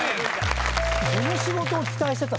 この仕事を期待してた。